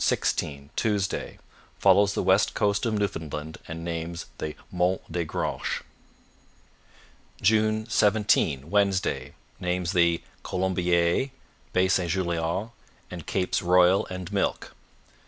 16 Tuesday Follows the west coast of Newfoundland and names the Monts des Granches. June 17 Wednesday Names the Colombiers, Bay St Julien, and Capes Royal and Milk.